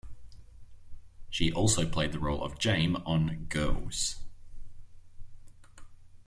She also played the role of Jame on "Girls".